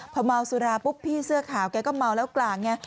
พอเมาสุราปุ๊บพี่เสื้อขาวแกก็เมาแล้วกลางไง